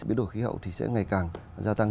biến đổi khí hậu thì sẽ ngày càng gia tăng